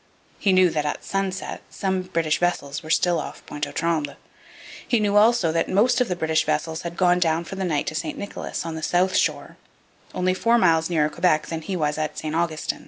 He knew that at sunset some British vessels were still off Pointe aux Trembles. He knew also that most of the British vessels had gone down for the night to St Nicholas, on the south shore, only four miles nearer Quebec than he was at St Augustin.